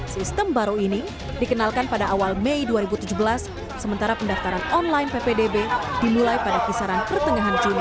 sistem baru ini dikenalkan pada awal mei dua ribu tujuh belas sementara pendaftaran online ppdb dimulai pada kisaran pertengahan juni